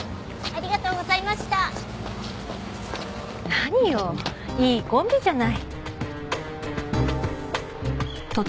何よいいコンビじゃない。